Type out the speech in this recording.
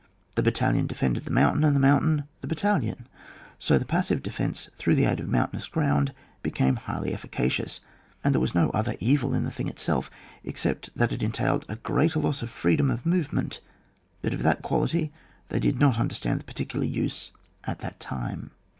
The battalion defended the mountain, and the mountain the bat talion ; so the passive defence through the aid of mountcunous ground became highly efficacious, and there was no other evil in the thing itself except that it entailed a greater loss of freedom of movement, but of that quality they did not understand the particular use at that time.